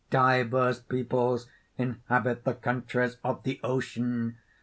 "Divers peoples inhabit the countries of the Ocean.